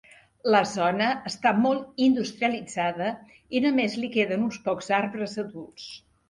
La zona està molt industrialitzada i només li queden uns pocs arbres adults.